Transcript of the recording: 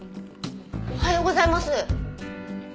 おはようございます。